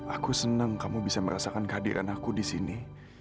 aku senang kamu bisa merasakan kehadiran aku di sini